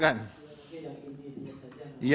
keuangan institusi tidak perlu sepenuhnya